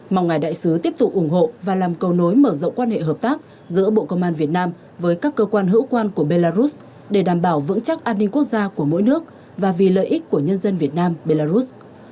mong ngài đại sứ tiếp tục ủng hộ và làm cầu nối mở rộng quan hệ hợp tác giữa bộ công an việt nam với các cơ quan hữu quan của belarus để đảm bảo vững chắc an ninh quốc gia của mỗi nước và vì lợi ích của nhân dân việt nam belarus